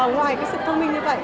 ngoài cái sự thông minh như vậy